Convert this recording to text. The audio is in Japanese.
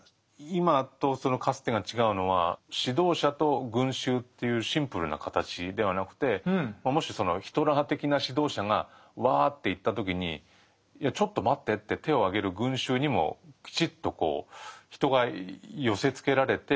今とそのかつてが違うのは指導者と群衆というシンプルな形ではなくてもしそのヒトラー的な指導者がワーッていった時に「いやちょっと待って」って手をあげる群衆にもきちっと人が寄せつけられて。